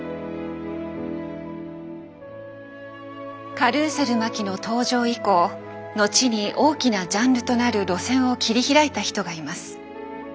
カルーセル麻紀の登場以降後に大きなジャンルとなる路線を切り開いた人がいます。